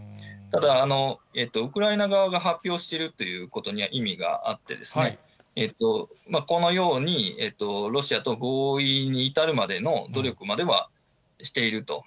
ただ、ウクライナ側が発表しているということには意味があって、このようにロシアと合意に至るまでの努力まではしていると。